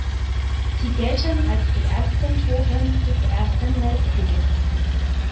Sie gelten als die ersten Toten des Ersten Weltkrieges.